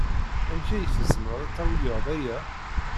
Amek ay tzemred ad tawyed aya?